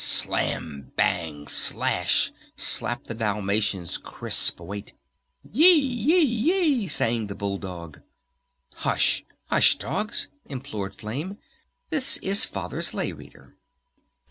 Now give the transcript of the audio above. "Slam! Bang! Slash!" slapped the Dalmatian's crisp weight. "Yi! Yi! Yi!" sang the Bull Dog. "Hush! Hush, Dogs!" implored Flame. "This is Father's Lay Reader!"